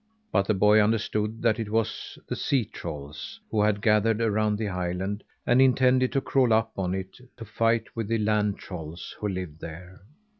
But the boy understood that it was the sea trolls, who had gathered around the island and intended to crawl up on it, to fight with the land trolls who lived there.